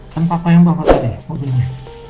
kan papa yang bawa tadi mobilnya